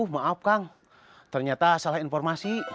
maaf kang ternyata salah informasi